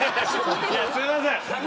すいません。